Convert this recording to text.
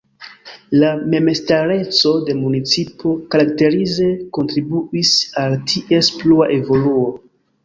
La memstareco de municipo karakterize kontribuis al ties plua evoluo.